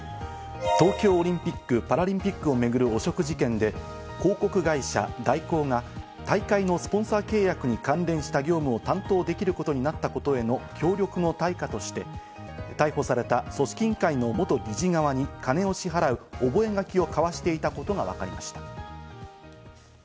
東京オリンピック・パラリンピックを巡る汚職事件で、広告会社・大広が大会のスポンサー契約に関連した業務を担当できることになったことへの協力の対価として、逮捕された組織委員会の元理事側にカネを支払う覚書を交わしていたことがわかりました。